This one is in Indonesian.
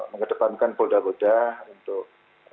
mengedepankan polda polda untuk